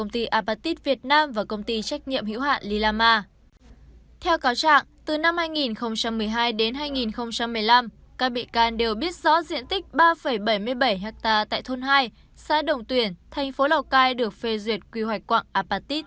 nguyễn thành dương giai đoạn hai nghìn một mươi năm hai nghìn một mươi năm các bị can đều biết rõ diện tích ba bảy mươi bảy ha tại thôn hai xã đồng tuyển thành phố lào cai được phê duyệt quy hoạch quặng apatit